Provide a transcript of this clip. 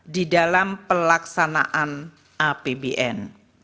di dalam pelaksanaan apbn